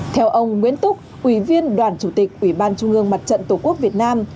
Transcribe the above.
theo ông nguyễn túc ủy viên đoàn chủ tịch ủy ban trung ương mặt trận tổ quốc việt nam